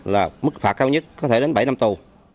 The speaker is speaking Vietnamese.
là mức phạt cao nhất có thể đến bảy năm tù